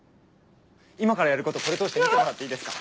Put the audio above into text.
今からやることこれ通して見てもらっていいですか？